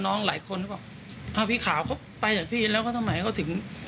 น้องหลายคนก็บอกพี่ขาวเขาตายจากพี่แล้วทำไมเขาถึง